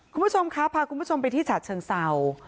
คุณผู้ชมครับพาคุณผู้ชมไปที่ฉะเชิงเศร้า